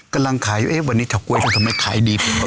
กำลังขายวันนี้เฉาก๊วยทำไมขายดีพิมพ์